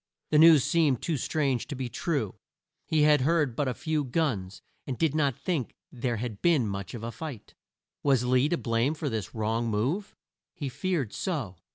The news seemed too strange to be true. He had heard but a few guns, and did not think there had been much of a fight. Was Lee to blame for this wrong move? He feared so.